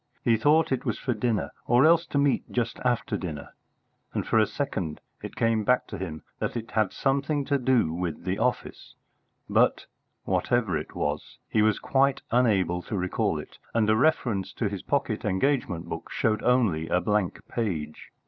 He thought it was for dinner, or else to meet just after dinner, and for a second it came back to him that it had something to do with the office, but, whatever it was, he was quite unable to recall it, and a reference to his pocket engagement book showed only a blank page.